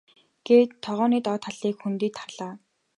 гээд тогооны доод талын хөндийд харлаа.